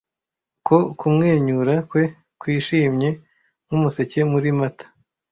ko kumwenyura kwe kwishimye nkumuseke muri mata